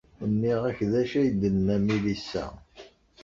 Nniɣ-ak d acu ay d-tenna Melissa?